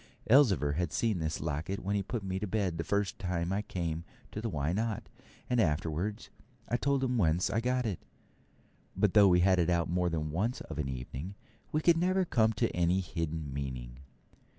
Elzevir had seen this locket when he put me to bed the first time I came to the Why Not? and afterwards I told him whence I got it; but though we had it out more than once of an evening, we could never come at any hidden meaning.